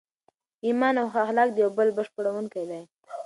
ایمان او ښه اخلاق د یو بل بشپړونکي دي.